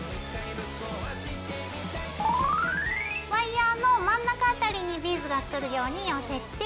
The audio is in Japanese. ワイヤーの真ん中辺りにビーズがくるように寄せて。